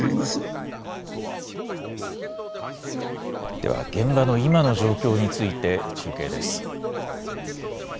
では現場の今の状況について中継です。